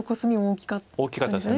大きかったです